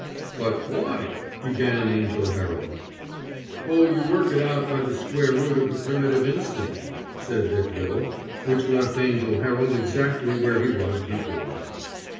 "But why——?" began Angell Herald. "Oh, you work it out by the square root of the primitive instinct," said Dick Little, which left Angell Herald exactly where he was before.